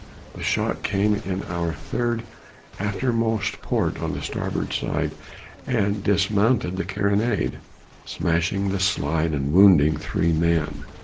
The shot came in our third aftermost port on the starboard side, and dismounted the carronade, smashing the slide and wounding three men.